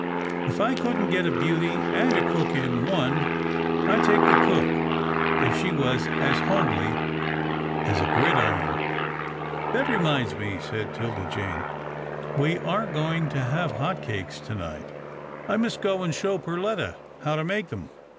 If I couldn't get a beauty and a cook in one, I'd take the cook, if she was as homely as a gridiron." " That reminds me," said 'Tilda Jane, " we are going to have hot cakes to night. I must go and show Perletta how to make them."